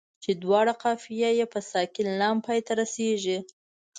چې دواړو قافیه یې په ساکن لام پای ته رسيږي.